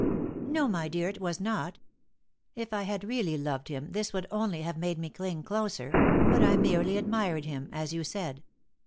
"No, my dear, it was not. If I had really loved him this would only have made me cling closer; but I merely admired him as you said.